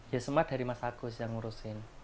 ya semua dari mas agus yang ngurusin